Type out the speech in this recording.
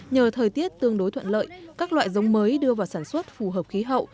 nhờ thời tiết tương đối thuận lợi các loại giống mới đưa vào sản xuất phù hợp khí hậu